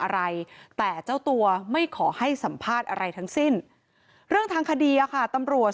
อะไรแต่เจ้าตัวไม่ขอให้สัมภาษณ์อะไรทั้งสิ้นเรื่องทางคดีอะค่ะตำรวจ